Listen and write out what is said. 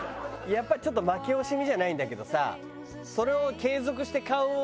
やっぱりちょっと負け惜しみじゃないんだけどさ。